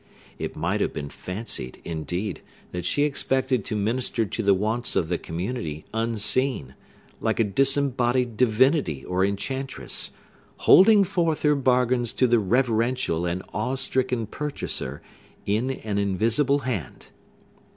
It might have been fancied, indeed, that she expected to minister to the wants of the community unseen, like a disembodied divinity or enchantress, holding forth her bargains to the reverential and awe stricken purchaser in an invisible hand.